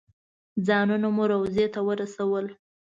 ځانونه مو روضې ته ورسول.